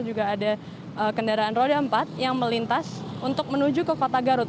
juga ada kendaraan roda empat yang melintas untuk menuju ke kota garut